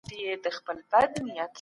متنوع لوستونکي تر مشابه لوستونکو ښه دي.